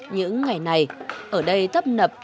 những ngày này ở đây tấp nập